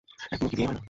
এক মুরগি দিয়েও হয় না।